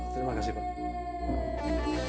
terima kasih pak